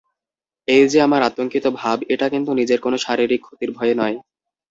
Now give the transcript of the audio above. এই যে আমার আতঙ্কিত ভাব এটা কিন্তু নিজের কোনো শারীরিক ক্ষতির ভয়ে নয়।